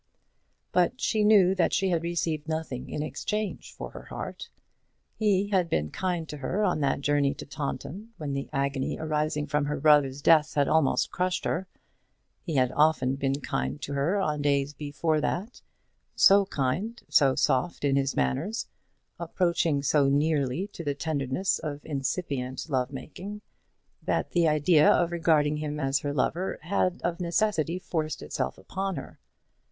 But she knew that she had received nothing in exchange for her heart. He had been kind to her on that journey to Taunton, when the agony arising from her brother's death had almost crushed her. He had often been kind to her on days before that, so kind, so soft in his manners, approaching so nearly to the little tendernesses of incipient love making, that the idea of regarding him as her lover had of necessity forced itself upon her.